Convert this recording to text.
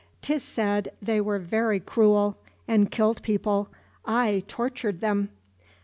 'Tis said they were very cruel, and killed people ay, tortured them.